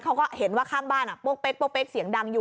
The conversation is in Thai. เขาก็เห็นว่าข้างบ้านอ่ะป๊กเป๊กป๊กเป๊กเสียงดังอยู่